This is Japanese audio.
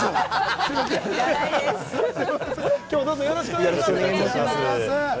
今日はどうぞよろしくお願いいたします。